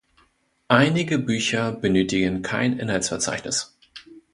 Einige Bücher benötigen kein Inhaltsverzeichnis.